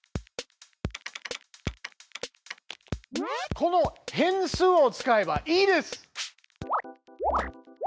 この「変数」を使えばいいです！